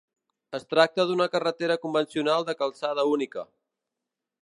Es tracta d'una carretera convencional de calçada única.